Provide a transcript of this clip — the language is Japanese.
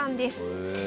へえ。